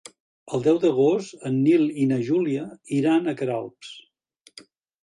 El deu d'agost en Nil i na Júlia iran a Queralbs.